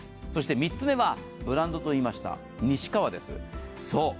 ３つ目はブランドと言いました、西川です。